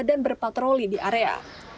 dan berpatroli di area